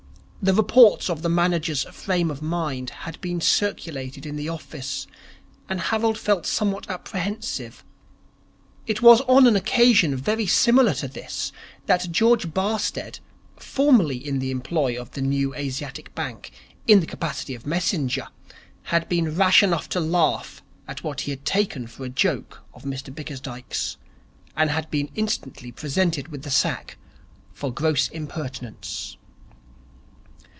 The reports of the manager's frame of mind had been circulated in the office, and Harold felt somewhat apprehensive. It was on an occasion very similar to this that George Barstead, formerly in the employ of the New Asiatic Bank in the capacity of messenger, had been rash enough to laugh at what he had taken for a joke of Mr Bickersdyke's, and had been instantly presented with the sack for gross impertinence.